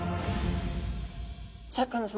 シャーク香音さま